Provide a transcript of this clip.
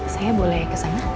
saya boleh ke sana